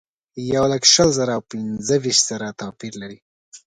یولک شل زره او پنځه ویشت زره توپیر لري.